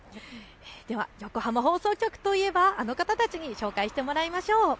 では横浜放送局といえばあの方たちに紹介してもらいましょう。